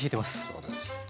そうです。